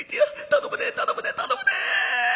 頼むで頼むで頼むで！」。